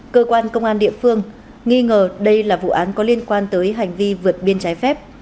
cơ quan công an địa phương nghi ngờ đây là vụ án có liên quan tới hành vi vượt biên trái phép